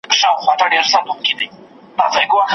لا ښكارېږي جنايت او فسادونه